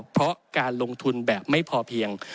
เพราะการลงทุนแบบไม่พอเพียง